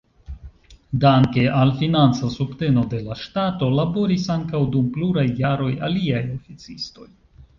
Danke al financa subteno de la ŝtato, laboris ankaŭ dum pluraj jaroj aliaj oficistoj.